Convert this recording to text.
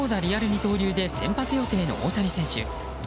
二刀流で先発予定の大谷選手。